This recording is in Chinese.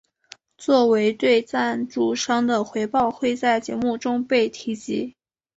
作为对赞助商的回报会在节目中被提及。